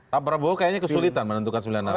pak prabowo kayaknya kesulitan menentukan sembilan nama